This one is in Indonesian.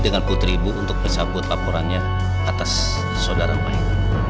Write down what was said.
dengan putri ibu untuk mencabut laporannya atas saudara mayu